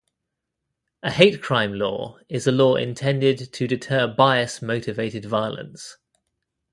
A hate crime law is a law intended to deter bias-motivated violence.